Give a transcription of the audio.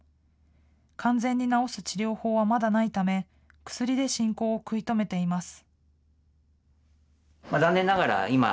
完全に治す治療法はまだないため、薬で進行を食い止めています。